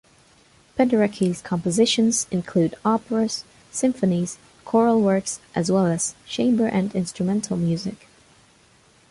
Penderecki's compositions include operas, symphonies, choral works, as well as chamber and instrumental music.